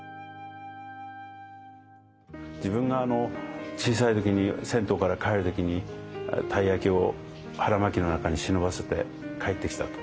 自分が小さい時に銭湯から帰る時にたい焼きを腹巻きの中に忍ばせて帰ってきたと。